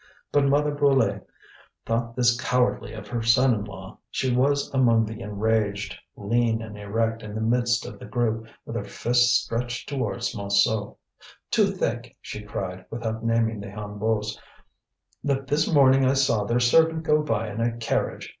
But Mother Brulé thought this cowardly of her son in law; she was among the enraged, lean and erect in the midst of the group, with her fists stretched towards Montsou. "To think," she cried, without naming the Hennebeaus, "that this morning I saw their servant go by in a carriage!